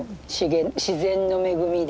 自然の恵みで。